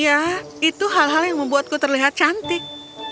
ya itu hal hal yang membuatku terlihat cantik